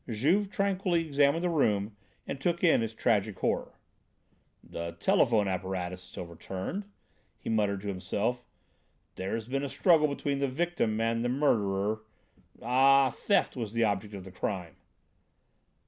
Juve tranquilly examined the room, and took in its tragic horror. "The telephone apparatus is overturned," he muttered to himself. "There has been a struggle between the victim and the murderer. Ah! theft was the object of the crime."